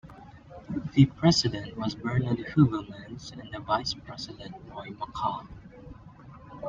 The President was Bernard Heuvelmans, and the Vice-President Roy Mackal.